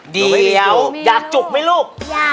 เดี๋ยวอยากจุกไหมลูก